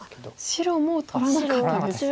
白も取らなかったです。